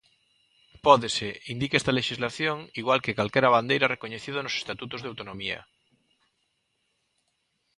Pódese, indica esta lexislación, igual que calquera bandeira recoñecida nos estatutos de autonomía.